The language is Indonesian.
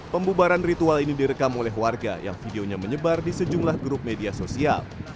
pembubaran ritual ini direkam oleh warga yang videonya menyebar di sejumlah grup media sosial